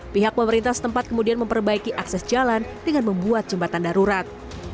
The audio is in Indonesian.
pihak pemerintah setempat kemudian memperbaiki akses jalan dengan membuat jembatan darurat